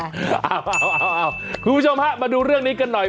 คุณผู้ชมฮะมาดูเรื่องนี้กันหน่อย